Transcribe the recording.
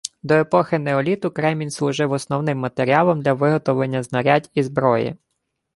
До епохи неоліту кремінь служив основним матеріалом для виготовлення знарядь і зброї.